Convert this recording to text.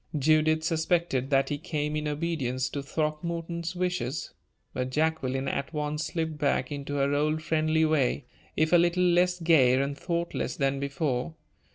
Judith suspected that he came in obedience to Throckmorton's wishes. But Jacqueline at once slipped back into her old friendly way, if a little less gay and thoughtless than before.